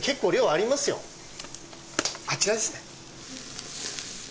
あちらですね。